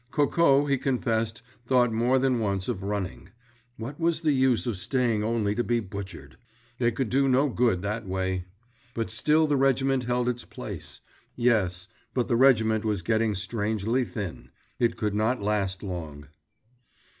Coco, he confessed, thought more than once of running. What was the use of staying only to be butchered? They could do no good that way. But still the regiment held its place; yes, but the regiment was getting strangely thin. It could not last long.